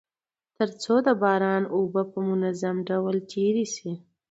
تر څو د باران اوبه په منظم ډول تيري سي.